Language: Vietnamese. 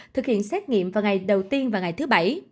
thực hiện xét nghiệm vào ngày đầu tiên và ngày thứ bảy